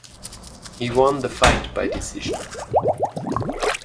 He won the fight by decision.